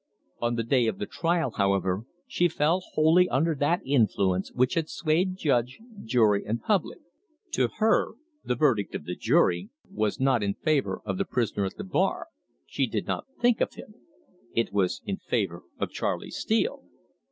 On the day of the trial, however, she fell wholly under that influence which had swayed judge, jury, and public. To her the verdict of the jury was not in favour of the prisoner at the bar she did not think of him. It was in favour of Charley Steele.